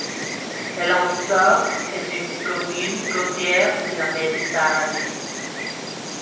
El Ançor est une commune côtière de la Méditerranée.